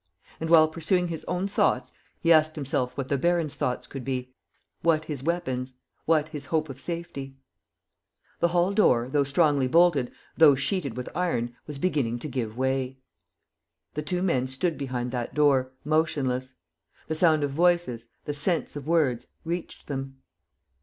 And, while pursuing his own thoughts, he asked himself what the baron's thoughts could be, what his weapons, what his hope of safety? The hall door, though strongly bolted, though sheeted with iron, was beginning to give way. The two men stood behind that door, motionless. The sound of voices, the sense of words reached them.